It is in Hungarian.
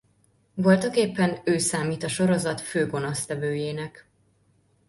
Voltaképpen ő számít a sorozat fő gonosztevőjének.